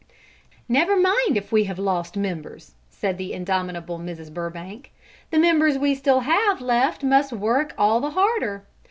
"Never mind if we have lost members!" said the indomitable Mrs. Burbank. "The members we still have left must work all the harder.